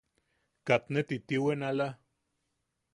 Katne titiiwen... ala...